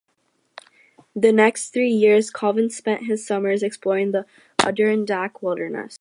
The next three years, Colvin spent his summers exploring the Adirondack wilderness.